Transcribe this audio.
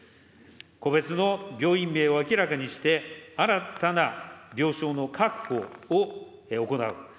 個別の病院名を明らかにして、新たな病床の確保を行う。